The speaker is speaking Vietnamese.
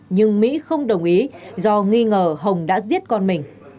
nhưng mỹ không đồng ý do nghi ngờ hồng đã giết con mình